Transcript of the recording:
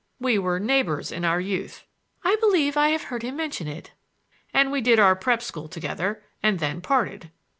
"We were neighbors in our youth." "I believe I have heard him mention it." "And we did our prep school together, and then parted!"